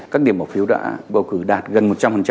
các điểm bầu cử đã bầu cử đạt gần một trăm linh